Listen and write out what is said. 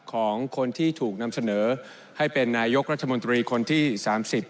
ของคนที่ถูกนำเสนอให้เป็นนายกรัฐมนตรีคนที่สามสิบ